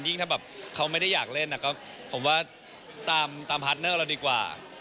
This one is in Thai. ถ้าแบบเขาไม่ได้อยากเล่นผมว่าตามพาร์ทเนอร์เราดีกว่า